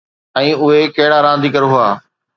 ۽ اهي ڪهڙا رانديگر هئا؟